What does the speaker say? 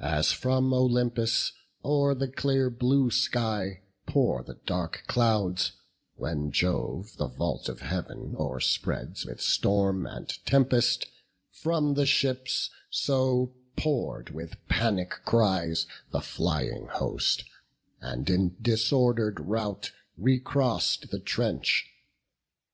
As from Olympus, o'er the clear blue sky Pour the dark clouds, when Jove the vault of Heav'n O'erspreads with storm and tempest, from the ships So pour'd with panic cries the flying host, And in disorder'd rout recross'd the trench.